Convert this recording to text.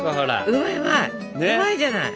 うまいじゃない。